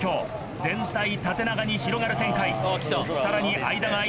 全体縦長に広がる展開。